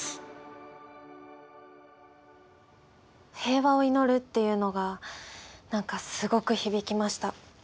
平和を祈るっていうのが何かすごく響きました。